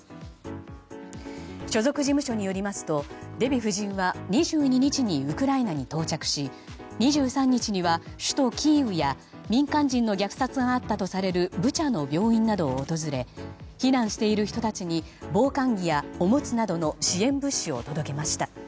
所属事務所によりますとデヴィ夫人は２２日にウクライナに到着し２３日には首都キーウや民間人の虐殺があったとされるブチャの病院などを訪れ避難している人たちに防寒着やおむつなどの支援物資を届けました。